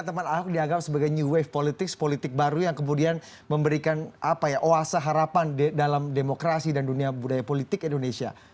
teman ahok dianggap sebagai new wave politiks politik baru yang kemudian memberikan oase harapan dalam demokrasi dan dunia budaya politik indonesia